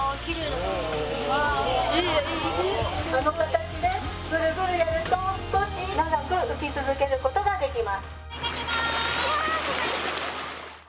その形で、ぐるぐるやると少し長く浮き続けることができます。